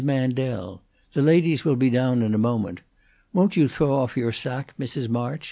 Mandel. The ladies will be down in a moment. Won't you throw off your sacque, Mrs. March?